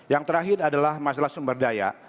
yang terakhir adalah masalah sumber daya